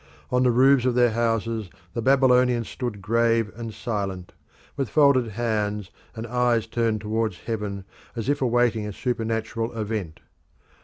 On the roofs of their houses the Babylonians stood grave and silent, with folded hands and eyes turned towards heaven as if awaiting a supernatural event.